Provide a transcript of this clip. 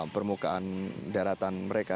permukaan daratan mereka